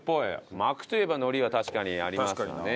巻くといえば海苔は確かにありますよね。